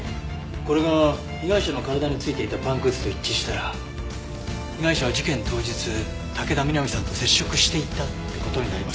これが被害者の体についていたパンくずと一致したら被害者は事件当日武田美波さんと接触していたって事になりますね。